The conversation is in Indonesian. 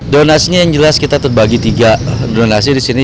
donasinya yang jelas kita terbagi tiga donasi di sini